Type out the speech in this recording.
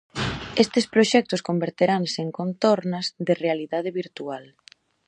Estes proxectos converteranse en contornas de Realidade Virtual.